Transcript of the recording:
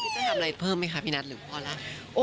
จะทำอะไรเพิ่มไหมคะพี่นัทหรือพ่อรัก